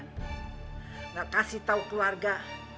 nggak kasih tau keluarga